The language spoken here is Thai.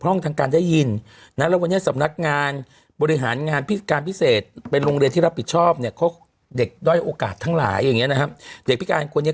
เพราะว่าที่จริงแล้วเขาไม่ได้พิการอะไรเลยเขาไม่พิการแต่ว่าเขาพูดไปสามือได้